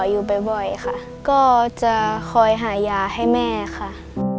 อยู่บ่อยค่ะก็จะคอยหายาให้แม่ค่ะ